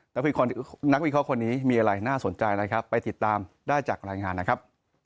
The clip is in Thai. นักวิเคราะห์คนนี้มีอะไรน่าสนใจนะครับไปติดตามได้จากรายงานนะครับ